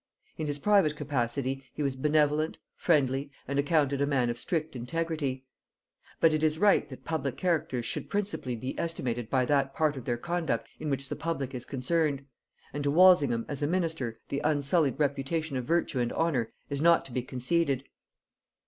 In his private capacity he was benevolent, friendly, and accounted a man of strict integrity: but it is right that public characters should principally be estimated by that part of their conduct in which the public is concerned; and to Walsingham as a minister the unsullied reputation of virtue and honor is not to be conceded.